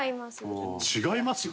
全然違いますよ。